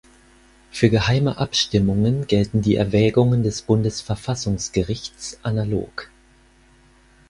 Für geheime Abstimmungen gelten die Erwägungen des Bundesverfassungsgerichts analog.